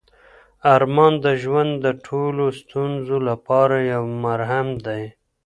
ارمان د ژوند د ټولو ستونزو لپاره یو مرهم دی.